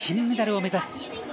さあ、金メダルを目指す。